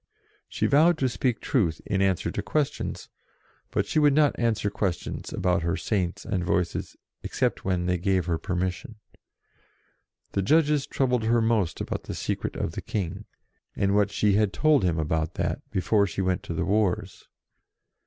She vowed to speak truth in answer to questions, but she would not answer ques tions about her Saints and Voices, except when they gave her permission. The judges troubled her most about the secret of the King, and what she told him about that, before she went to the wars.